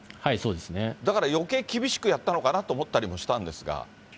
だから余計、厳しくやったのかなと思ったりもしたんですが。